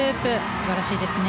素晴らしいですね。